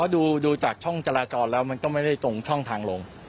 ดูจากช่องจราจรแล้วมันก็ไม่ได้ตรงช่องทางลง